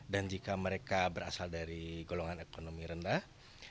dan jika mereka berasal dari golongan ekonomi rendah